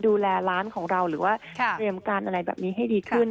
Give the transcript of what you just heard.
ดูแลร้านของเราหรือว่าเตรียมการอะไรแบบนี้ให้ดีขึ้น